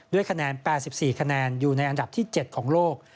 คะแนน๘๔คะแนนอยู่ในอันดับที่๗ของโลก